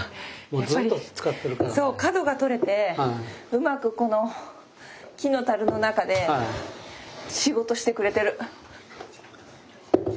そう角が取れてうまくこの木のたるの中で仕事してくれてる。